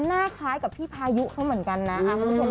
หน้าคล้ายกับพี่พายุเขาเหมือนกันนะคุณผู้ชม